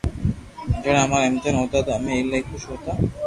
جڻا امارا امتحان ھوتا تو امي ايلائي خوݾ ھوتا